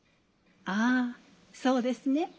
ああそうですね。